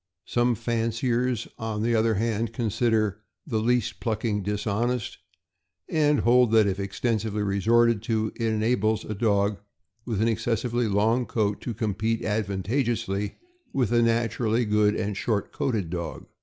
Some fanciers, on the other hand, consider the least plucking dishonest, and hold that, if extensively resorted to, it enables a dog with an excess ively long coat to compete advantageously with a naturally good and short coated dog.